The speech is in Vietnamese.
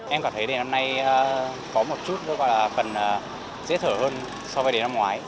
em cảm thấy đề năm nay có một chút gọi là phần dễ thở hơn so với đề năm ngoái